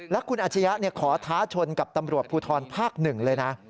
และคุณอาชียะขอท้าชนกับตำรวจภูทรภาค๑เลยนะ